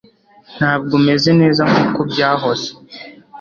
Ntabwo meze neza nkuko byahoze